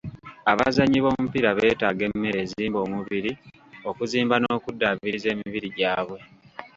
Abazannyi b'omupiira beetaaga emmere ezimba omubiri okuzimba n'okuddaabiriza emibiri gyabwe.